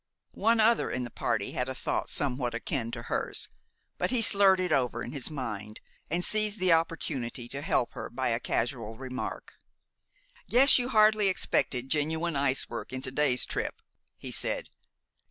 One other in the party had a thought somewhat akin to hers; but he slurred it over in his mind, and seized the opportunity to help her by a casual remark. "Guess you hardly expected genuine ice work in to day's trip?" he said.